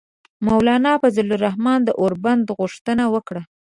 مولانا فضل الرحمان د اوربند غوښتنه وکړه.